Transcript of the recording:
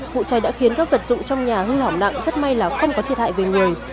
vụ cháy đã khiến các vật dụng trong nhà hư hỏng nặng rất may là không có thiệt hại về người